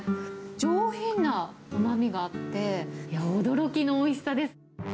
上品なうまみがあって、驚きのおいしさです。